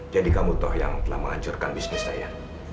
jadi kamu yang telah menghancurkan bisnis saya